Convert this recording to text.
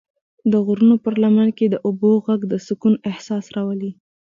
د غرونو پر لمن کې د اوبو غږ د سکون احساس راولي.